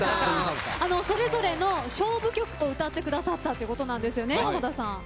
それぞれの勝負曲を歌ってくださったということなんですよね。